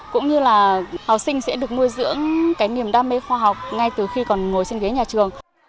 cũng như là học sinh sẽ được nuôi dưỡng cái niềm đam mê khoa học ngay từ khi còn ngồi trên ghế nhà trường